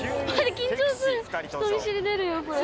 緊張する人見知り出るよこれ。